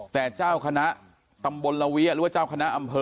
แต่เจ้าคณะตำบลละเวียหรือว่าเจ้าคณะอำเภอ